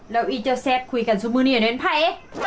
แล้วอี๋เจ้าแซ่บคุยกันซะมือนี้อย่าเนินไพ